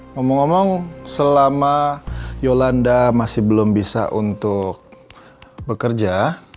ngomong ngomong selama yolanda masih belum bisa untuk bekerja